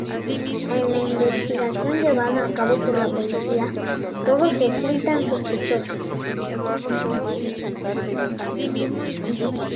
En la investigación llevada a cabo por la policía, todos resultan sospechosos.